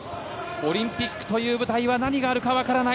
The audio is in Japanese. オリンピックという舞台は何があるかわからない。